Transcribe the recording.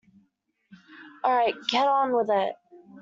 All right, get on with it.